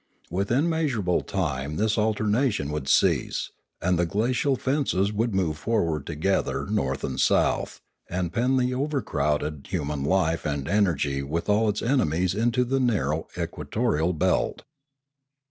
Within measurable time this alternation would cease, and the glacial fences would move forward together north and south, and pen the overcrowded human life and energy with all its ene mies into the narrow equatorial belt.